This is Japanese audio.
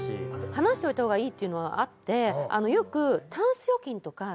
話しておいた方がいいっていうのはあってよく。